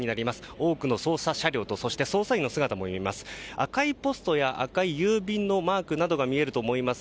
多くの捜査車両と捜査員の姿も見えます。